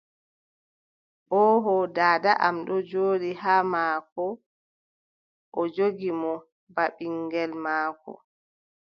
Oooho. Daada am ɗon jooɗi haa maako, o joggi mo baa ɓinŋgel maako.